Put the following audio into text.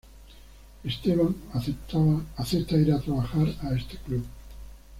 Esteban acepta ir a trabajar a este club..